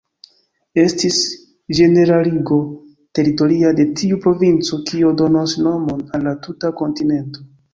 Estis ĝeneraligo teritoria de tiu provinco kio donos nomon al la tuta kontinento.